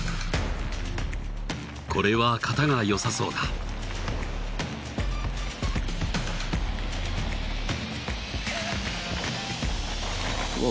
これは型がよさそうだうわ